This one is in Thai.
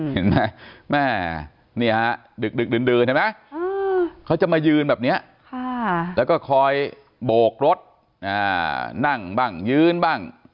เห็นไหมแม่นี่ฮะดึกดื่นเห็นไหมเขาจะมายืนแบบนี้แล้วก็คอยโบกรถนั่งบ้างยืนบ้าง